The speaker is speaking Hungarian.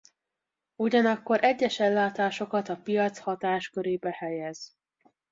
Ugyanakkor egyes ellátásokat a piac hatáskörébe helyez.